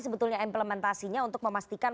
sebetulnya implementasinya untuk memastikan